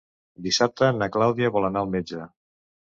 Dissabte na Clàudia vol anar al metge.